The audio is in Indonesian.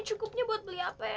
ih sakit perut laper